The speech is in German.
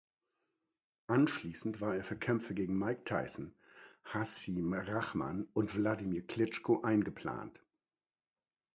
Anschließend war er für Kämpfe gegen Mike Tyson, Hasim Rahman und Wladimir Klitschko eingeplant.